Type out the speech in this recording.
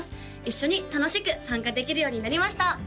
一緒に楽しく参加できるようになりました